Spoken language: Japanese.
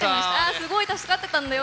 すごい助かってたんだよ。